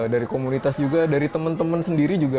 dari komunitas juga dari teman teman sendiri juga